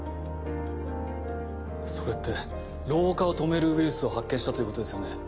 それって老化を止めるウイルスを発見したということですよね？